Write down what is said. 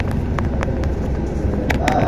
Tony বার্নার্ডোকে খুন করে।